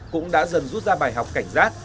cũng đã dần rút ra bài học cảnh giác